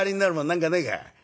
何かねえか？